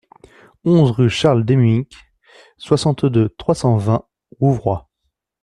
onze rue Charles Demuynck, soixante-deux, trois cent vingt, Rouvroy